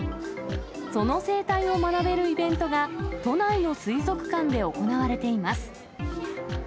その生態を学べるイベントが、都内の水族館で行われています。